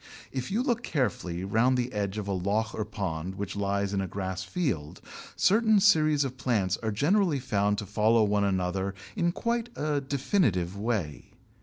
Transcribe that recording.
If you look carefully round the edge of a loch or pond which lies in a grass field, certain series of plants are generally found to follow one another in quite a definite way.